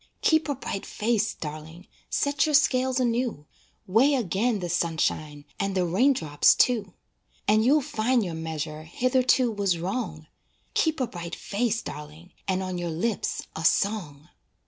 Keep a bright face, darling, Set your scales anew, Weigh again the sunshine And the raindrops, too. And you'll find your measure Hitherto was wrong, Keep a bright face, darling, And on your lips a song.